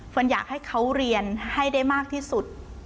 อยากให้เขาเรียนให้ได้มากที่สุด